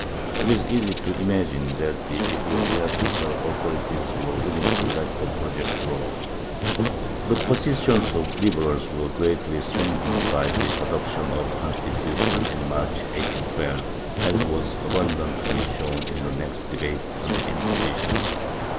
It is easy to imagine that the ecclesiastical authorities were willing to let the project drop.^ The position of the Liberals was greatly strengthened by the adoption of the Constitution, in March 1812, as was abundantly shown in the next debate on the Incjuisition.